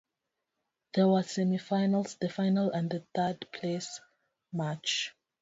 There were semi-finals, the final and a third place match.